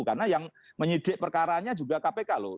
karena yang menyidik perkaraannya juga kpk loh